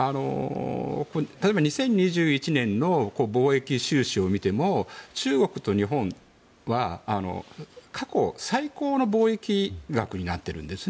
例えば、２０２１年の貿易収支を見ても中国と日本は過去最高の貿易額になっているんです。